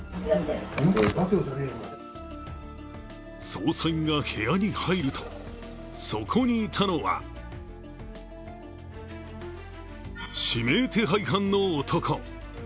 捜査員が部屋に入るとそこにいたのは指名手配犯の男。